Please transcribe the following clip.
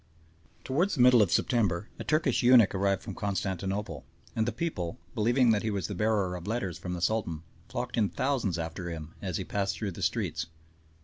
Towards the middle of September a Turkish eunuch arrived from Constantinople, and the people, believing that he was the bearer of letters from the Sultan, flocked in thousands after him as he passed through the streets.